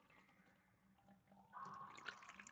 Tell about your news and describe your experiences.